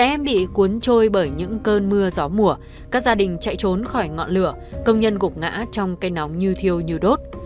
em bị cuốn trôi bởi những cơn mưa gió mùa các gia đình chạy trốn khỏi ngọn lửa công nhân gục ngã trong cây nóng như thiêu như đốt